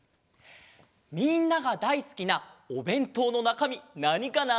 みんながだいすきなおべんとうのなかみなにかな？